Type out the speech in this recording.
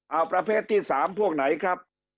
เอาประเภทที่๓พวกไหนครับ